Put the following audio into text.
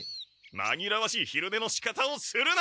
まぎらわしいひるねのしかたをするな！